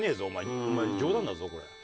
お前冗談だぞこれ。